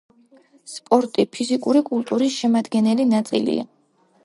სპორტი — ფიზიკური კულტურის შემადგენელი ნაწილია.